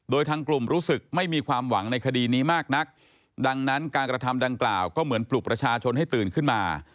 โดยทางกลุ่มรู้สึกไม่มีความหวังในคดีนี้มากนักดังนั้นการกระทำดังกล่าวก็เหมือนปลุกประชาชนให้ตื่นขึ้นมา